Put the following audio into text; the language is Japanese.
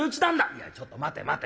「いやちょっと待て待て待て。